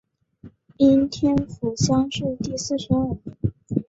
应天府乡试第四十二名。